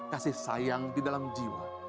kasih sayang di dalam jiwa